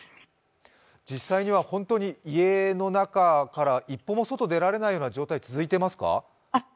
実際には本当に家の中から一歩も外出られないような状態続いてますか？